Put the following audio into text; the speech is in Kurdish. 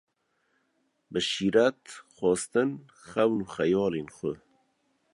Bi şîret, xwestin, xewn û xeyalên xwe